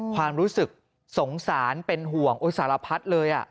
ความรู้สึกสงสารเป็นห่วงสารพัดเลย